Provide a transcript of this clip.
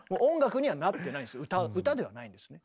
歌ではないんですね。